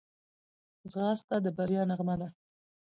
ځغاسته د بریا نغمه ده